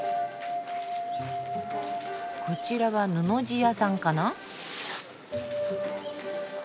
こちらは布地屋さんかな？